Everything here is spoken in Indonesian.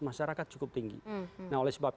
masyarakat cukup tinggi nah oleh sebab